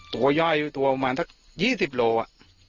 ตัวใยยาตัวมาละสัก๒๐โลอะ